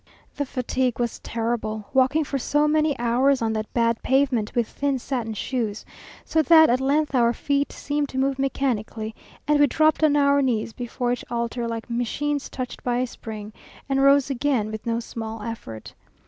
The fatigue was terrible, walking for so many hours on that bad pavement with thin satin shoes, so that at length our feet seemed to move mechanically, and we dropped on our knees before each altar like machines touched by a spring, and rose again with no small effort.